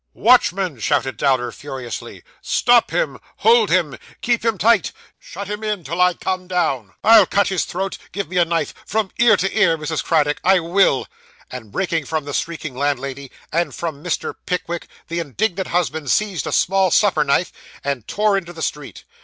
'Watchman,' shouted Dowler furiously, 'stop him hold him keep him tight shut him in, till I come down. I'll cut his throat give me a knife from ear to ear, Mrs. Craddock I will!' And breaking from the shrieking landlady, and from Mr. Pickwick, the indignant husband seized a small supper knife, and tore into the street.